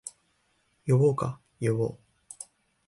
呼ぼうか、呼ぼう